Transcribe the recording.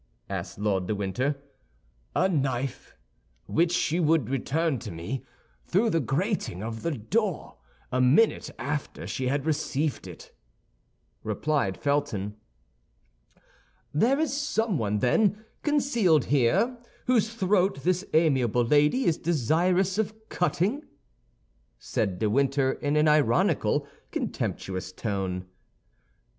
asked Lord de Winter. "A knife, which she would return to me through the grating of the door a minute after she had received it," replied Felton. "There is someone, then, concealed here whose throat this amiable lady is desirous of cutting," said de Winter, in an ironical, contemptuous tone.